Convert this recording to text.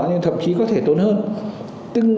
nhưng thậm chí có thể tốn hơn